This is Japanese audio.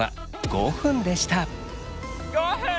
５分！？